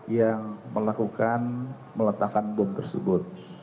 yang melakukan meletakkan bom tersebut